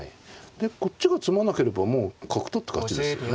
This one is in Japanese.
でこっちが詰まなければもう角取って勝ちですよね。